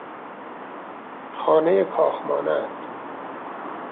خانهی کاخ مانند